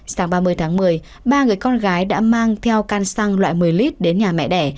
sáng ba mươi tháng một mươi ba người con gái đã mang theo can xăng loại một mươi lit đến nhà mẹ đẻ